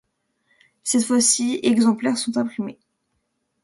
Cette fois-ci exemplaires sont imprimés.